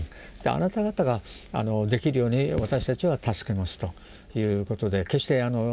あなた方ができるように私たちは助けますということで決して主人公ではない。